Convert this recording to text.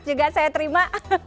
juga saya terima